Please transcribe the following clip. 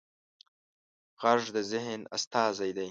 غږ د ذهن استازی دی